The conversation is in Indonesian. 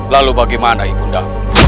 lalu bagaimana ibu nda